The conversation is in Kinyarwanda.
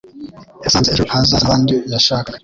Yasanze ejo hazaza nabandi yashakaga